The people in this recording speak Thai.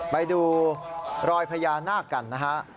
ไปดูรอยพญานาคกันนะฮะ